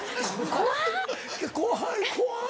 怖い怖い。